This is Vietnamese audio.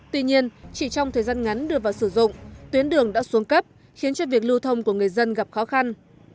tuy nhiên chỉ trong thời gian ngắn đưa vào sử dụng tuyến đường đã xuống cấp khiến cho việc lưu thông của người dân gặp khó khăn